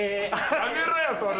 やめろよそれ！